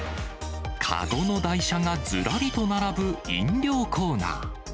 籠の台車がずらりと並ぶ飲料コーナー。